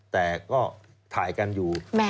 แต่ก็ถ่ายกันอยู่